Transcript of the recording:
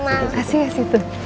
ayo kasih ya si tun